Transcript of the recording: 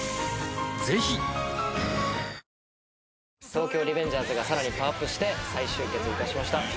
『東京リベンジャーズ』がさらにパワーアップして再集結いたしました。